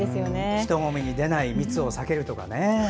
人混みに出ない密を避けるとかね。